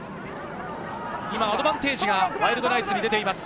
今、アドバンテージがワイルドナイツに出ています。